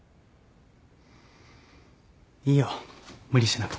いいよ無理しなくて。